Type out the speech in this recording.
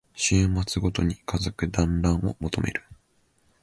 週末ごとに家族だんらんを求める